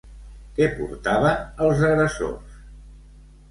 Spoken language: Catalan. Què portaven els agressors?